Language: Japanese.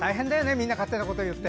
みんな勝手なこと言って。